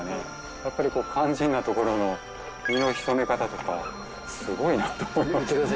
やっぱりこう肝心なところの身の潜め方とかすごいなって思いました